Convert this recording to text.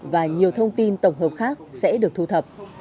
và nhiều thông tin tổng hợp khác sẽ được thu thập